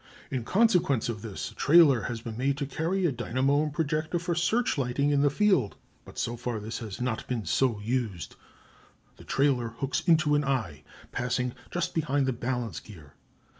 In consequence of this a trailer has been made to carry a dynamo and projector for searchlighting in the field, but so far this has not been so used. The trailer hooks into an eye, passing just behind the balance gear.